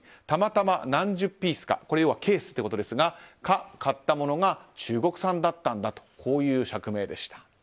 たまたま何十ピースか要はケースということですがその買ったものが中国産だったんだという釈明でした。